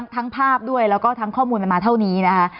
ทั้งภาพด้วยแล้วก็ทั้งข้อมูลมันมาเท่านี้นะคะ